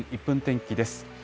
１分天気です。